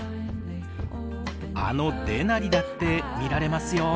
あのデナリだって見られますよ。